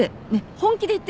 本気で言ってる？